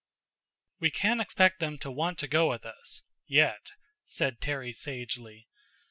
"We can't expect them to want to go with us yet," said Terry sagely.